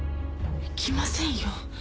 行きませんよ。